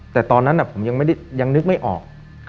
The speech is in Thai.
แต่ตอนนั้นผมยังนึกไม่ออก